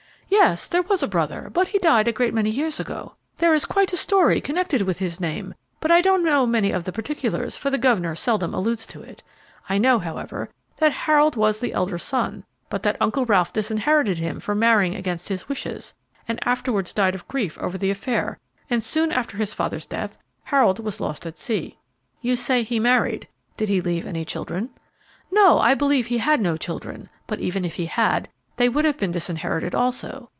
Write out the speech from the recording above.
"Yes, there was a brother, but he died a great many years ago. There is quite a story connected with his name, but I don't know many of the particulars, for the governor seldom alludes to it. I know, however, that Harold was the elder son, but that Uncle Ralph disinherited him for marrying against his wishes, and afterwards died of grief over the affair, and soon after his father's death Harold was lost at sea." "You say he married; did he leave any children?" "No, I believe he had no children; but even if he had, they would have been disinherited also.